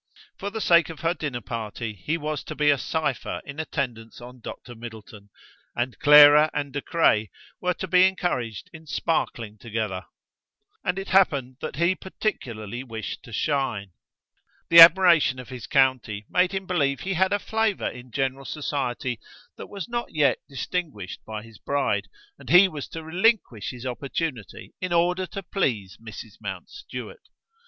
For the sake of her dinner party he was to be a cipher in attendance on Dr. Middleton, and Clara and De Craye were to be encouraged in sparkling together! And it happened that he particularly wished to shine. The admiration of his county made him believe he had a flavour in general society that was not yet distinguished by his bride, and he was to relinquish his opportunity in order to please Mrs. Mountstuart!